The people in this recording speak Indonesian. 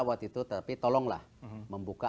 waktu itu tapi tolonglah membuka